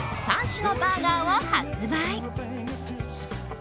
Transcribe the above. ３種のバーガーを発売。